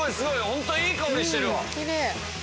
ホントいい香りしてるわ。